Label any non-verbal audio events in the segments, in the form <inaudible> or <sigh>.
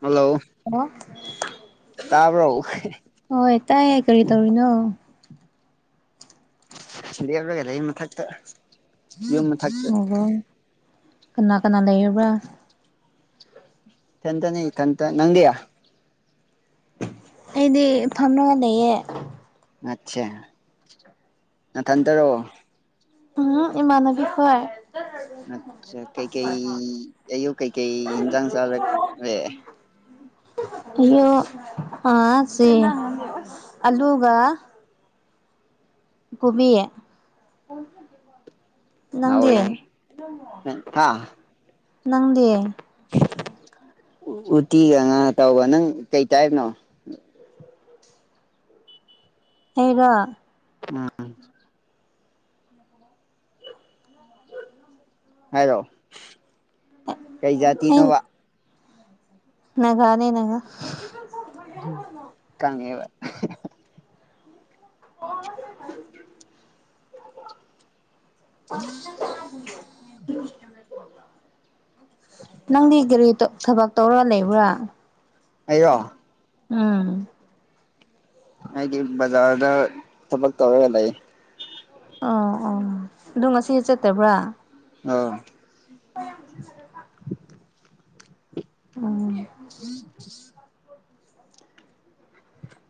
hello hello ꯇꯥꯕ꯭ꯔꯣ ꯍꯣꯏ ꯇꯥꯏꯌꯦꯦ ꯀꯔꯤ ꯇꯧꯔꯤꯅꯣ ꯂꯦꯞꯂꯒꯥ ꯂꯦꯏꯌꯦ ꯃꯊꯛꯇꯥ ꯑꯣꯍꯣ ꯀꯅꯥ ꯀꯅꯥ ꯂꯩꯕ꯭ꯔ ꯏꯊꯟꯇꯅꯦ ꯏꯊꯟꯇꯥ ꯅꯪꯗꯤ ꯑꯩꯗꯤ ꯐꯝꯔꯒ ꯂꯩꯌꯦ ꯅꯠꯁꯦ ꯅꯊꯟꯇꯔꯣ ꯎꯝ ꯏꯃꯥꯟꯅꯕꯤ ꯈꯣꯏ ꯑꯆꯥ ꯀꯩꯀꯩ ꯑꯌꯨꯛ ꯀꯩꯀꯩ ꯏꯟꯖꯥꯡ ꯆꯥꯔꯛꯔꯦ ꯍꯣ ꯑ ꯁꯤ ꯑꯂꯨꯒ ꯀꯣꯕꯤ ꯅꯪꯗꯤ ꯍꯥꯎꯋꯦꯅꯦ ꯍꯥ ꯅꯪꯗꯤ ꯎꯇꯤꯒ ꯉꯥ ꯑꯇꯥꯎꯕ ꯅꯪ ꯀꯩ ꯆꯥꯏꯅꯣ ꯑꯩꯔꯣ ꯎꯝ <inaudible> <inaudible> ꯍꯥꯏꯔꯣ ꯀꯩ ꯑꯩ ꯖꯥꯇꯤꯅꯣꯕ ꯅꯒꯥꯅꯦ ꯅꯒꯥ ꯀꯪꯉꯦꯕ <unintelligible> ꯅꯪꯗꯤ ꯀꯔꯤ ꯊꯕꯛ ꯇꯧꯔ ꯂꯩꯕ꯭ꯔꯥ ꯑꯩꯔꯣ ꯎꯝ ꯑꯩꯗꯤ ꯕꯖꯥꯔꯗ ꯊꯕꯛ ꯇꯧꯔꯒ ꯂꯩꯌꯦ ꯑꯣ ꯑꯣ ꯑꯗꯨ ꯉꯁꯤ ꯆꯠꯇꯕ꯭ꯔꯥ ꯑꯥ ꯎꯝ <inaudible>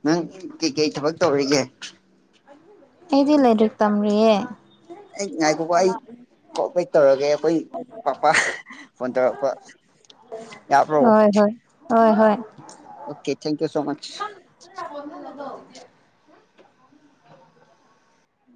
ꯅꯪ ꯀꯩ ꯀꯩ ꯊꯕꯛ ꯇꯧꯔꯤꯒꯦ ꯑꯩꯗꯤ ꯂꯩꯔꯤꯛ ꯇꯝꯔꯤꯌꯦ ꯑꯩ ꯉꯥꯏꯈꯣꯀꯣ ꯑꯩ ꯀꯣꯜ ꯕꯦꯛ ꯇꯧꯔꯒꯦ ꯑꯩꯈꯣꯏ ꯄꯥꯄꯥ ꯐꯣꯟ ꯇꯧꯔꯛꯄ ꯌꯥꯕ꯭ꯔꯣ <unintelligible> ꯍꯣꯏ ꯍꯣꯏ ꯍꯣꯏ ꯍꯣꯏ ꯀꯦ ꯊꯦꯡꯀ꯭ꯌꯨ ꯁꯣ ꯃꯁ